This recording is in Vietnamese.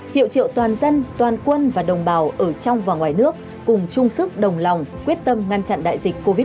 hiệu triệu toàn dân toàn quân và đồng bào ở trong và ngoài nước cùng chung sức đồng lòng quyết tâm ngăn chặn đại dịch covid một mươi chín